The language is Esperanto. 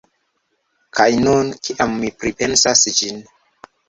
Kaj nun, kiam mi pripensas ĝin.